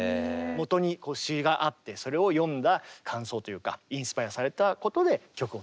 もとに詩があってそれを読んだ感想というかインスパイアされたことで曲を作ったという。